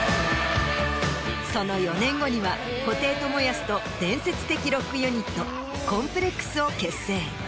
その４年後には布袋寅泰と伝説的ロックユニットＣＯＭＰＬＥＸを結成。